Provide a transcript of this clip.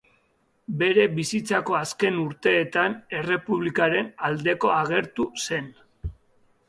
Bere bizitzako azken urteetan errepublikaren aldeko agertu zen.